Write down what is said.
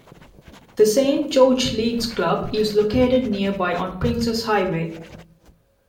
The Saint George Leagues Club is located nearby on Princes Highway.